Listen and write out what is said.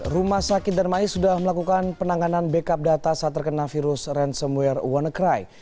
rumah sakit darmais sudah melakukan penanganan backup data saat terkena virus ransomware wannacry